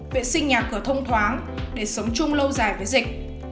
vệ sinh nhà cửa thông thoáng để sống chung lâu dài với dịch